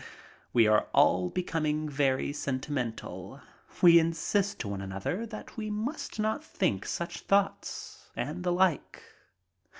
We are all becoming very sentimental; we insist to one another that we must not think such thoughts, and the like.